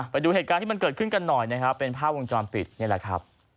ไปดูเหตุการณ์ที่มันเกิดขึ้นกันหน่อยนะครับเป็นภาพวงจรปิดนี่แหละครับ